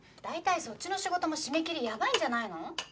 大体そっちの仕事も締め切りやばいんじゃないの？